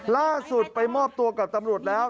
ล่าสุดไปมอบตัวกับตำรวจแล้ว